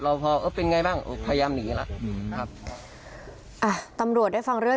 พอเออเป็นไงบ้างพยายามหนีแล้วอืมครับอ่ะตำรวจได้ฟังเรื่อง